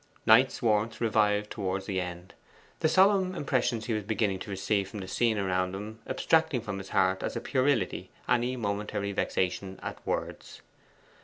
Knight's warmth revived towards the end; the solemn impressions he was beginning to receive from the scene around them abstracting from his heart as a puerility any momentary vexation at words.